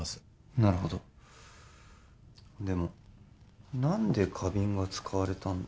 なるほどでも何で花瓶が使われたんだ？